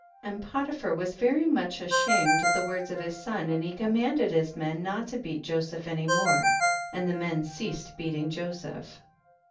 68. And Potiphar was very much ashamed at the words of his son, and he commanded his men not to beat Joseph any more, and the men ceas ed beating Joseph.